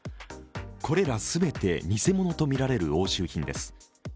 これら全て偽物とみられる押収品です。